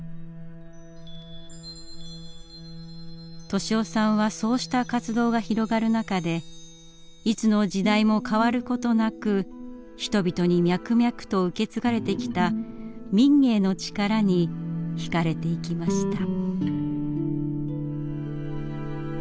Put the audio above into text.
利雄さんはそうした活動が広がる中でいつの時代も変わることなく人々に脈々と受け継がれてきた民藝の力にひかれていきました。